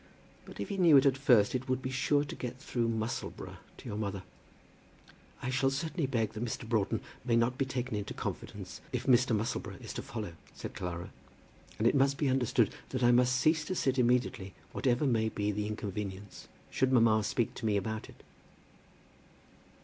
But if he knew it at first it would be sure to get through Musselboro to your mother." "I certainly shall beg that Mr. Broughton may not be taken into confidence if Mr. Musselboro is to follow," said Clara. "And it must be understood that I must cease to sit immediately, whatever may be the inconvenience, should mamma speak to me about it."